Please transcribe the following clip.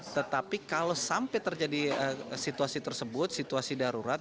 tetapi kalau sampai terjadi situasi tersebut situasi darurat